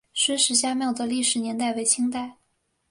孙氏家庙的历史年代为清代。